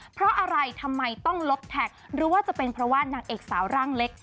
เพราะอะไรทำไมต้องลบแท็กหรือว่าจะเป็นเพราะว่านางเอกสาวร่างเล็ก